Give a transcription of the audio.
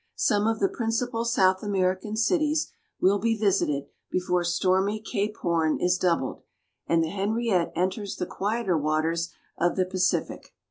Some of the principal South American cities will be visited before stormy Cape Horn is doubled, and the Henriette enters the quieter waters of the Pacific.